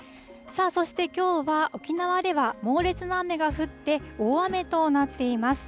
さあ、そして、きょうは沖縄では猛烈な雨が降って、大雨となっています。